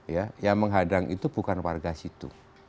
ya yang menghadang itu bukan warga situ